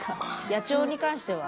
野鳥に関しては。